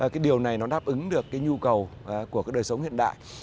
cái điều này nó đáp ứng được cái nhu cầu của cái đời sống hiện đại